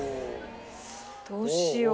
どうしよう？